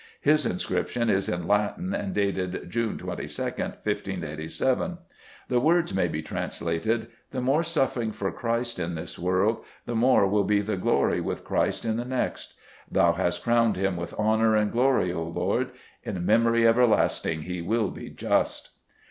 His inscription is in Latin, and dated June 22, 1587. The words may be translated, "The more suffering for Christ in this world, the more will be the glory with Christ in the next. Thou hast crowned him with honour and glory, O Lord! In memory everlasting he will be just."